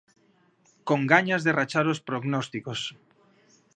Con gañas de rachar os prognósticos.